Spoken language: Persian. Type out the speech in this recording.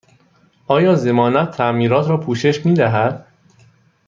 آیا ضمانت تعمیرات را پوشش می دهد؟